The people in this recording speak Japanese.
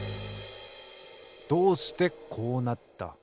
どうしてこうなった？